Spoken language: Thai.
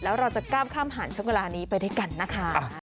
แล้วเราจะก้าวข้ามผ่านช่วงเวลานี้ไปด้วยกันนะคะ